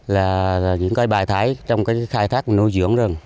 là những cây bài thái trong khai thác nuôi dưỡng rừng